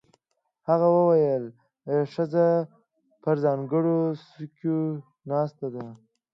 هغه وویل ښځه پر ځانګړو څوکیو ناسته ده.